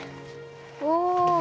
お。